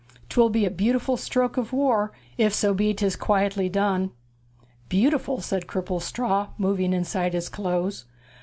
'Twill be a beautiful stroke of war, if so be 'tis quietly done!' 'Beautiful,' said Cripplestraw, moving inside his clothes.